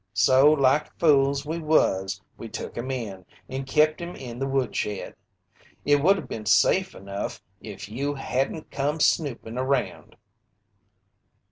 So like fools we was, we took him in and kept him in the woodshed. It would have been safe enough if you hadn't come snoopin' around!"